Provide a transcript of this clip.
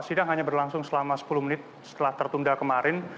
sidang hanya berlangsung selama sepuluh menit setelah tertunda kemarin